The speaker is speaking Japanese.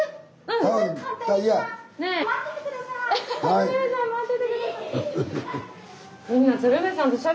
・鶴瓶さん待ってて下さい！